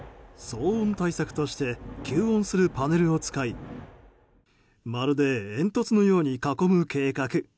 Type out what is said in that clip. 騒音対策として吸音するパネルを使いまるで煙突のように囲む計画。